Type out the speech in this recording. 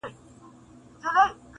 o چرته نه کار، هلته څه کار!